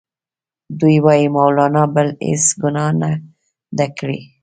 دوی وايي مولنا بله هیڅ ګناه نه ده کړې.